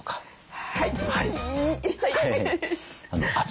はい。